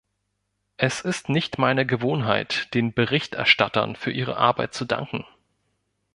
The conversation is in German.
Es ist nicht meine Gewohnheit, den Berichterstattern für ihre Arbeit zu danken.